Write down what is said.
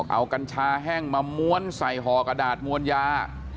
เอากัญชาแห้งมาม้วนใส่ห่อกระดาษมวลยา